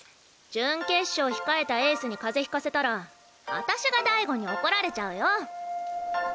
準決勝控えたエースに風邪ひかせたら私が大吾に怒られちゃうよ。